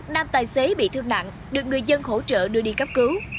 nam tài xế bị thương nặng được người dân hỗ trợ đưa đi cấp cứu